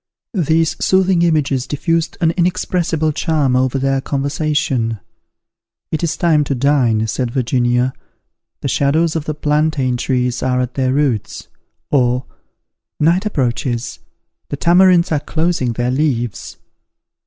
These soothing images diffused an inexpressible charm over their conversation. "It is time to dine," said Virginia, "the shadows of the plantain trees are at their roots:" or, "Night approaches, the tamarinds are closing their leaves."